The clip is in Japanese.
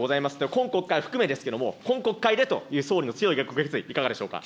今国会を含めですけれども、今国会でという総理の強いご決意、いかがでしょうか。